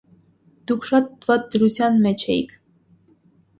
դուք շատ վատ դրության մեջ էիք: